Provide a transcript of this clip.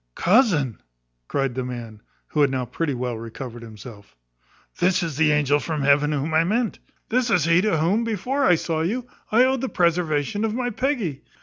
"Cousin," cries the man, who had now pretty well recovered himself, "this is the angel from heaven whom I meant. This is he to whom, before I saw you, I owed the preservation of my Peggy.